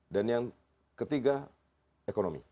dan yang ketiga ekonomi